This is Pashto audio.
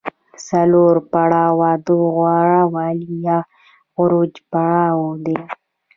څلورم پړاو د غوره والي یا عروج پړاو دی